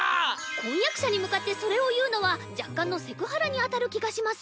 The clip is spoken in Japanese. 婚約者に向かってそれを言うのは若干のセクハラに当たる気がします。